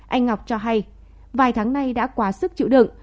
anh ngọc cho hay vài tháng nay đã quá sức chịu đựng